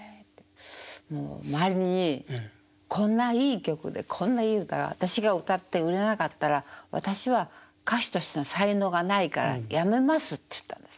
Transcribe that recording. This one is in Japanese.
もう周りにこんないい曲でこんないい歌が私が歌って売れなかったら私は歌手としての才能がないから辞めますって言ったんです。